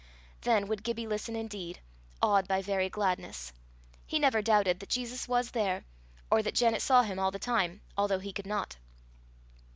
Then would Gibbie listen indeed, awed by very gladness. He never doubted that Jesus was there, or that Janet saw him all the time although he could not.